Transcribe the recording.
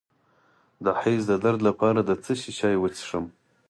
د حیض د درد لپاره د څه شي چای وڅښم؟